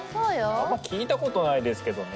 あんま聞いたことないですけどね。